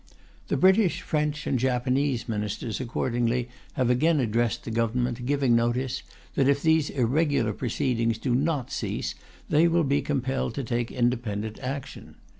The British, French, and Japanese Ministers accordingly have again addressed the Government, giving notice that if these irregular proceedings do not cease they will be compelled to take independent action.